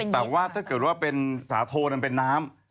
แต่ว่าถ้าเกิดว่าเป็นสาโทนมันเป็นน้ำ